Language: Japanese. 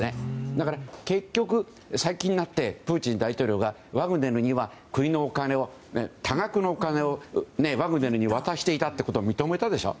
だから結局、最近になってプーチン大統領がワグネルには、国のお金を多額のお金をワグネルに渡していたことを認めたでしょ。